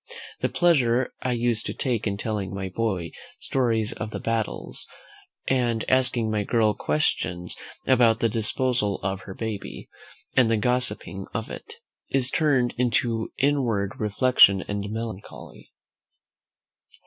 The pleasure I used to take in telling my boy stories of the battles, and asking my girl questions about the disposal of her baby, and the gossiping of it, is turned into inward reflection and melancholy."